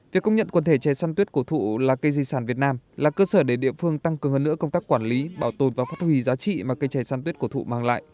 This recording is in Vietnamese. việc công nhận quần thể trẻ săn tuyết cổ thụ là cây di sản việt nam là cơ sở để địa phương tăng cường hơn nữa công tác quản lý bảo tồn và phát huy giá trị mà cây trẻ san tuyết cổ thụ mang lại